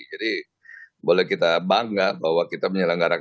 jadi boleh kita bangga bahwa kita menyelenggarakan